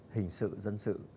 hình sự dân sự